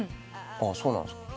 「そうなんですか？」